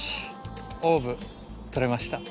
オーブとれました。